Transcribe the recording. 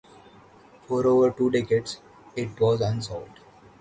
For over two decades it was unsolved.